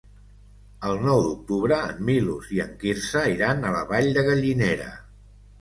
El nou d'octubre en Milos i en Quirze iran a la Vall de Gallinera.